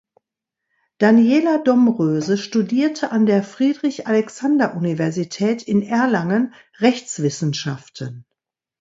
Daniela Domröse studierte an der Friedrich-Alexander-Universität in Erlangen Rechtswissenschaften.